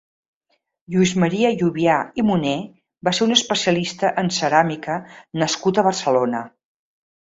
Lluís Maria Llubià i Munné va ser un especialista en ceràmica nascut a Barcelona.